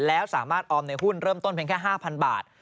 แล้วสามารถออมในหุ้นเริ่มต้นเพียงแค่๕๐๐บาท